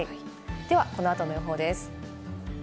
ではこの後の予報です。